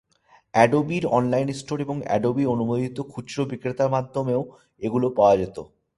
অ্যাডোবির online store এবং Adobe অনুমোদিত খুচরো বিক্রেতার মাধ্যমেও এগুলো পাওয়া যেত।